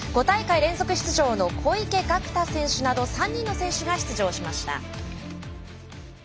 ５大会連続出場の小池岳太選手など３人の選手が出場しました。